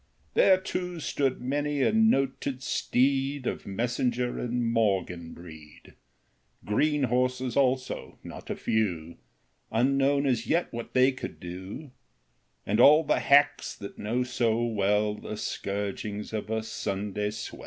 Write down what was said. There too stood many a noted steed Of Messenger and Morgan breed ; Green horses also, not a few ; Unknown as yet what they could do ; And all the hacks that know so well The scourgings of the Sunday swell.